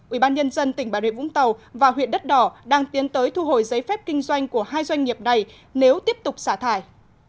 ubnd tỉnh bà rịa vũng tàu và huyện đất đỏ đang tiến tới thu hồi giấy phép kinh doanh của hai doanh nghiệp này nếu tiếp tục xả thải